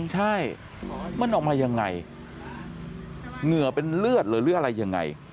ใช่มันออกมายังไงเหงื่อเป็นเลือดหรืออะไรยังไง